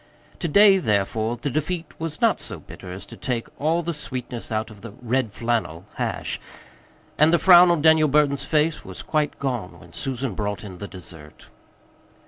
To day, therefore, the defeat was not so bitter as to take all the sweetness out of the "red flannel" hash, and the frown on Daniel Burton's face was quite gone when Susan brought in the dessert.